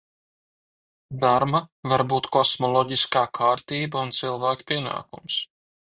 Darma var būt kosmoloģiskā kārtība un arī cilvēka pienākums.